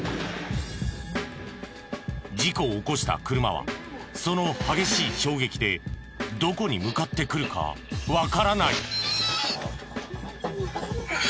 事故を起こした車はその激しい衝撃でどこに向かってくるかわからない。